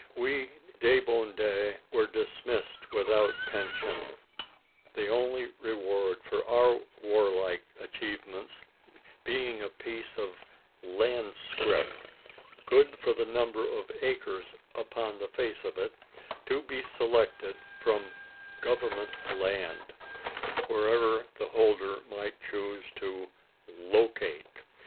We, the debandes, were dismissed without pension: the only reward for our warlike achievements being a piece of "land scrip," good for the number of acres upon the face of it to be selected from "government land," wherever the holder might choose to "locate."